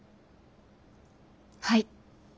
はい。